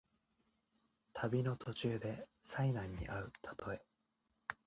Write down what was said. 旅の途中で災難にあうたとえ。